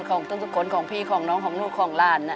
ของทุกคนของพี่ของน้องของลูกของหลาน